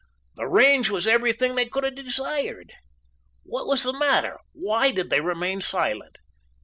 The range was everything they could have desired. What was the matter? Why did they remain silent?